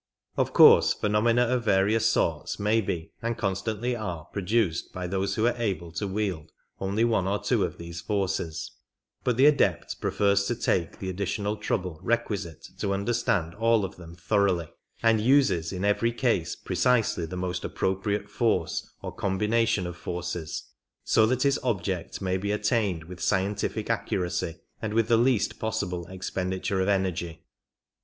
Of course phenomena of various sorts may be, and constantly are, produced by those who are able to wield only one or two of these forces, but the Adept prefers to take the additional trouble requisite to understand all of them thoroughly, and uses in every case precisely the most appropriate force or combination of forces, so that his object may be attained with scientific accuracy and with the least possible expenditure of energy.